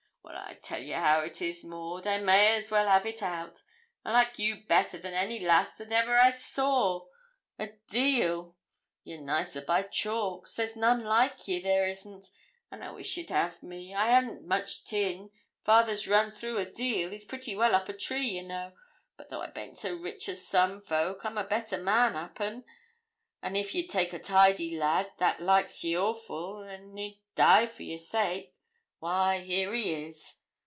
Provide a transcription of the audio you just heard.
'Well, I'll tell you how it is, Maud. I may as well have it out. I like you better than any lass that ever I saw, a deal; you're nicer by chalks; there's none like ye there isn't; and I wish you'd have me. I ha'n't much tin father's run through a deal, he's pretty well up a tree, ye know; but though I baint so rich as some folk, I'm a better man, 'appen; and if ye'd take a tidy lad, that likes ye awful, and 'id die for your sake, why here he is.'